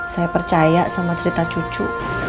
saya percaya sama cerita cucu